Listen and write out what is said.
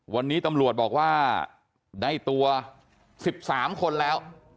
วันนี้ตำรวจบอกว่าได้ตัว๑๓คนแล้ว